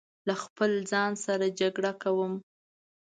له خپل ځان سره جګړه کوم